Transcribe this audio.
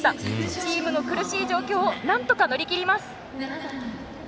チームの苦しい状況をなんとか乗り切ります！